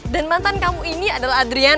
dan mantan kamu ini adalah adriana